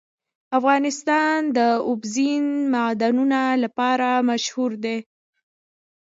افغانستان د اوبزین معدنونه لپاره مشهور دی.